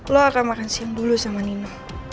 lo akan makan siang dulu sama nina